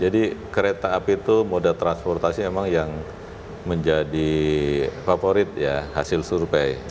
jadi kereta api itu moda transportasi memang yang menjadi favorit ya hasil survei